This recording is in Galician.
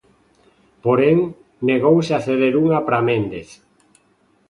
Porén, "negouse" a ceder unha para Méndez.